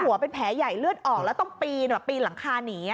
เป็นแผลใหญ่เลือดออกแล้วต้องปีนปีนหลังคาหนี